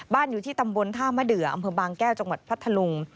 อยู่ที่ตำบลท่ามะเดืออำเภอบางแก้วจังหวัดพัทธลุง